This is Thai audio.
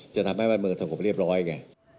จะทำให้บ้านเมืองสงบเรียบร้อยไง